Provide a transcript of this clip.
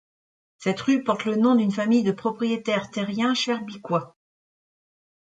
Cette rue porte le nom d'une famille de propriétaires terriens schaerbeekois.